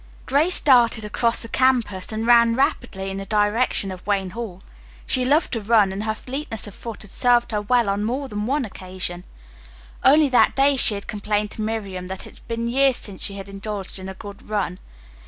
Grace darted across the campus and ran rapidly in the direction of Wayne Hall. She loved to run and her fleetness of foot had served her well on more than one occasion. Only that day she had complained to Miriam that it had been years since she had indulged in a good run.